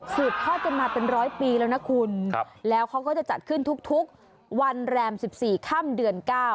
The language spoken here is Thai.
ทอดกันมาเป็นร้อยปีแล้วนะคุณแล้วเขาก็จะจัดขึ้นทุกวันแรม๑๔ค่ำเดือน๙